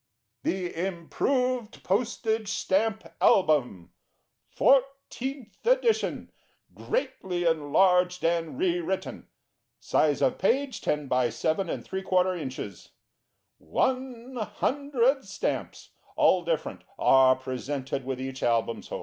THE Improved Postage Stamp Album. FOURTEENTH EDITION. GREATLY ENLARGED AND RE WRITTEN. Size of Page, 10 by 7 3/4 ins. One Hundred Stamps, all different, are presented with each Album sold.